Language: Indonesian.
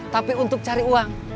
tapi untuk cari uang